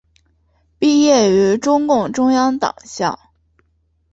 毕业于中共中央党校。